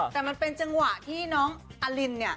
แต่มันเป็นจังหวะที่น้องอลินเนี่ย